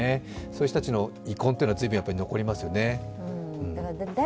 そういう人たちの遺恨というのは随分残りますよね。